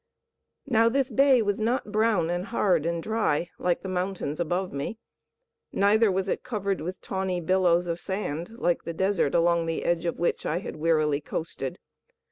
Now this bay was not brown and hard and dry, like the mountains above me, neither was it covered with tawny billows of sand like the desert along the edge of which I had wearily coasted.